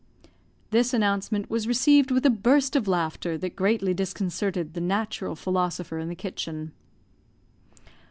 This announcement was received with a burst of laughter that greatly disconcerted the natural philosopher in the kitchen.